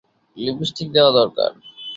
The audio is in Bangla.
লিপিস্টিক দেওয়া দরকার।